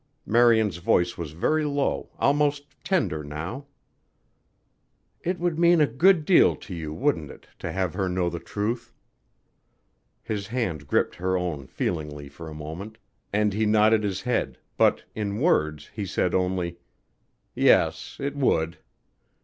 Marian's voice was very low, almost tender now. "It would mean a good deal to you, wouldn't it, to have her know the truth?" His hand gripped her own feelingly for a moment and he nodded his head but, in words, he said only: "Yes it would."